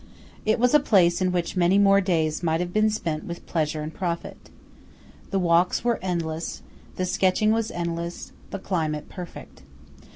It was a place in which many more days might have been spent with pleasure and profit. The walks were endless; the sketching was endless; the climate perfect.